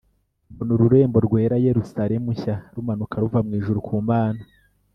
Mbona ururembo rwera Yerusalemu nshya rumanuka ruva mu ijuru ku Mana,